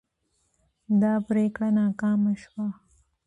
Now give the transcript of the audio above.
دا پریکړه ناکامه شوه.